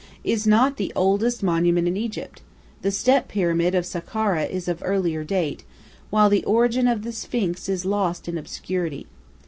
is not the oldest monument in Egypt; the step pyramid of Sakkara is of earlier date, while the origin of the sphinx is lost in obscurity.